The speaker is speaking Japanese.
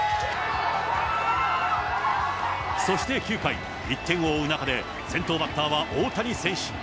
そして９回、１点を追う中で、先頭バッターは大谷選手。